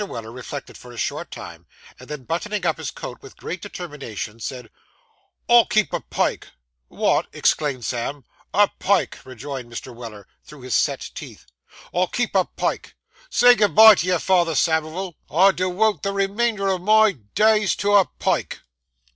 Weller reflected for a short time, and then, buttoning up his coat with great determination, said 'I'll keep a pike.' 'Wot!' exclaimed Sam. 'A pike!' rejoined Mr. Weller, through his set teeth; 'I'll keep a pike. Say good bye to your father, Samivel. I dewote the remainder of my days to a pike.